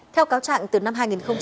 theo cáo trạng từ năm hai nghìn một mươi